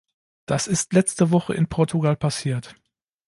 Das ist letzte Woche in Portugal passiert.